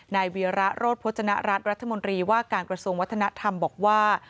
นายวีระโรธพจนรัฐรัฐรัฐมนตรีว่าการกระทรวงวัฒนธรรมบอกว่า